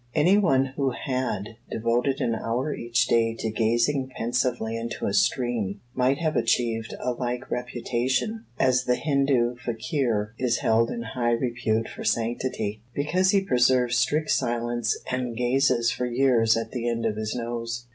Any one who had devoted an hour each day to gazing pensively into a stream, might have achieved a like reputation, as the Hindoo fakir is held in high repute for sanctity, because he preserves strict silence and gazes for years at the end of his nose.